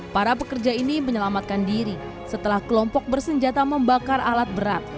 para pekerja ini menyelamatkan diri setelah kelompok bersenjata membakar alat berat